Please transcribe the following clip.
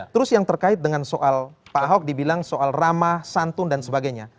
terus yang terkait dengan soal pak ahok dibilang soal ramah santun dan sebagainya